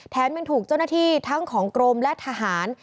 ยังถูกเจ้าหน้าที่ทั้งของกรมและทหาร